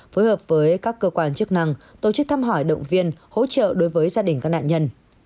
phối hợp với các cơ quan chức năng tổ chức thăm hỏi động viên hỗ trợ đối với gia đình các nạn nhân